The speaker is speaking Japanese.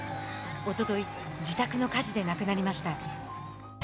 おととい、自宅の火事で亡くなりました。